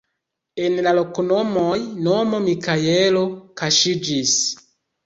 En la loknomoj nomo Mikaelo kaŝiĝis.